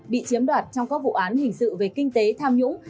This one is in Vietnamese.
bị chiếm đoạt trong các vụ án hình sự về kinh tế tham nhũng